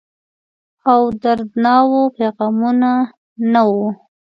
او دردڼاوو پیغامونه، نه وه